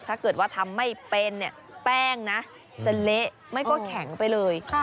ถ้าเกิดว่าทำไม่เป็นเนี่ยแป้งนะจะเละไม่ก็แข็งไปเลย